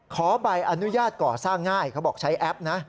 ขอใบอนุญาตก่อสร้างง่ายเขาบอกใช้แอปนะ